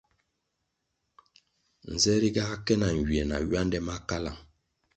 Nze ri ga ke na nywie na ywande ma kalang.